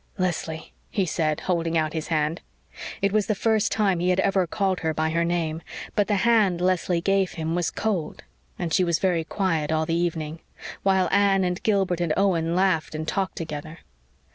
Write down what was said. "Leslie!" he said, holding out his hand. It was the first time he had ever called her by her name; but the hand Leslie gave him was cold; and she was very quiet all the evening, while Anne and Gilbert and Owen laughed and talked together.